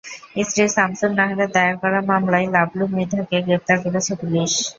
স্ত্রী সামসুন নাহারের দায়ের করা মামলায় লাবলু মৃধাকে গ্রেপ্তার করেছে পুলিশ।